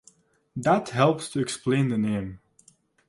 That helps to explain the name.